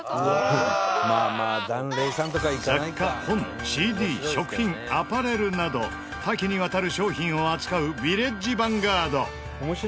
雑貨本ＣＤ食品アパレルなど多岐にわたる商品を扱うヴィレッジヴァンガード。